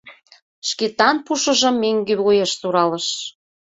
Шкетан пушыжым меҥге вуеш суралыш.